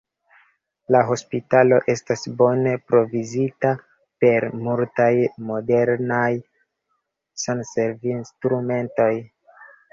La hospitalo estas bone provizita per multaj modernaj sanservinstrumentoj.